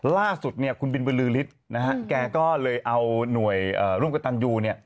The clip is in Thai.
ล่าสุดคุณบินวิลือฤทธิ์เกาก็เอาหน่วยรุมกตัญญู